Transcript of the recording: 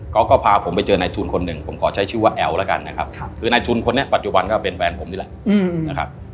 เขาก็พาผมไปเจอนายทุนคนหนึ่งผมขอใช้ชื่อว่าแอ๋วแล้วกันนะครับคือนายทุนคนนี้ปัจจุบันก็เป็นแฟนผมนี่แหละนะครับ